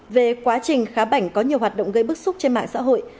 về quá trình khá bảnh có nhiều hoạt động gây bức xúc trên mạng xã hội